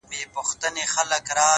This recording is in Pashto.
بریا د تکراري سمو کارونو پایله ده’